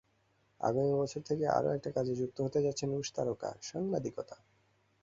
আগামী বছর থেকে আরও একটা কাজে যুক্ত হতে যাচ্ছেন রুশ তারকা—সাংবাদিকতা।